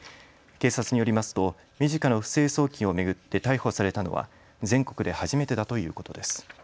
警察によりますとｍｉｊｉｃａの不正送金を巡って逮捕されたのは全国で初めてだということです。